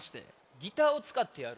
ギターをつかってやる？